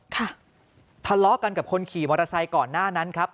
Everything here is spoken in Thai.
ทะเลาะกันกับคนขี่มอเตอร์ไซค์ก่อนหน้านั้นครับ